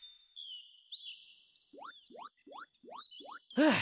はあ。